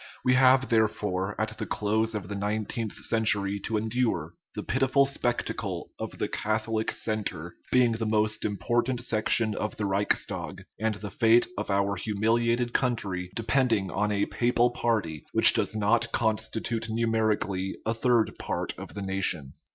We have, therefore, at the close 334 OUR MONISTIC RELIGION of the nineteenth century to endure the pitiful spectacle of the Catholic "Centre" being the most important sec tion of the Reichstag, and the fate of our humiliated country depending on a papal party, which does not constitute numerically a third part of the nation.